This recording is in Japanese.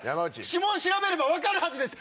指紋調べれば分かるはずです！